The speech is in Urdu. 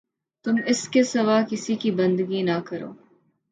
تم اس کے سوا کسی کی بندگی نہ کرو